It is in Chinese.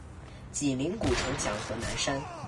紧邻古城墙和南山。